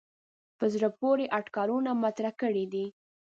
په زړه پورې اټکلونه مطرح کړي دي.